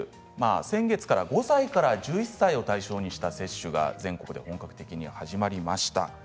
先月から５歳から１１歳を対象にした接種が全国で本格的に始まりました。